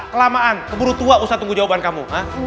kelamaan keburu tua usah tunggu jawaban kamu